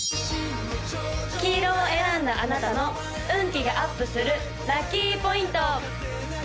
黄色を選んだあなたの運気がアップするラッキーポイント！